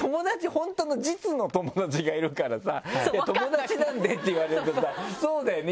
本当の実の友達がいるからさ「友達なんで」って言われるとさそうだよね